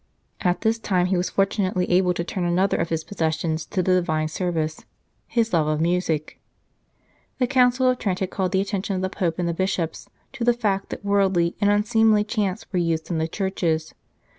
At this time he was fortunately able to turn another of his passions to the Divine service his love of music. The Council of Trent had called the attention of the Pope and the Bishops to the fact that worldly and unseemly chants were used in the churches.